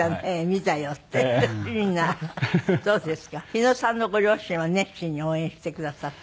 日野さんのご両親は熱心に応援してくださって？